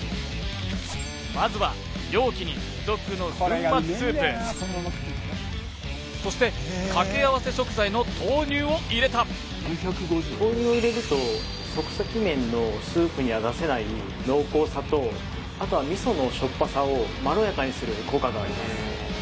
まずは容器に付属の粉末スープそして掛け合わせ食材の豆乳を入れた豆乳を入れると即席麺のスープには出せない濃厚さとあとは味噌のしょっぱさをまろやかにする効果があります